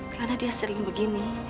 karena dia sering begini